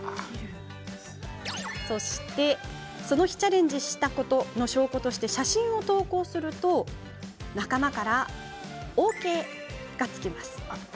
そして、その日チャレンジしたことの証拠として写真を投稿すると仲間からＯＫが。